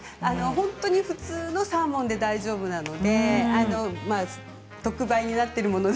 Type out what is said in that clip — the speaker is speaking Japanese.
本当に普通のサーモンで大丈夫なので特売になっているもの。